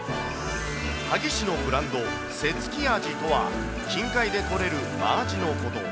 萩市のブランド、瀬つきあじとは、近海で取れるマアジのこと。